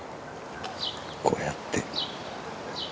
こうやって。